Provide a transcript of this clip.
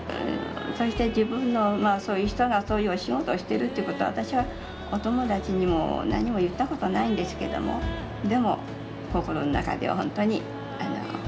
そして自分のそういう人がそういうお仕事をしてるということは私はお友達にも何も言ったことないんですけどもでも心の中ではほんとに誇りでしたね。